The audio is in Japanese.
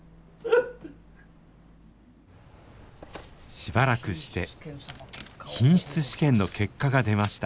しばらくして品質試験の結果が出ました。